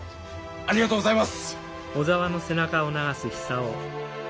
ありがとうございます！